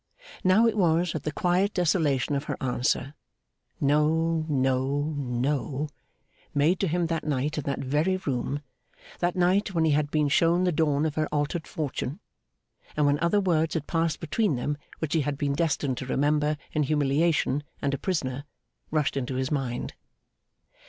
Now it was that the quiet desolation of her answer, 'No, No, No,' made to him that night in that very room that night when he had been shown the dawn of her altered fortune, and when other words had passed between them which he had been destined to remember in humiliation and a prisoner, rushed into his mind.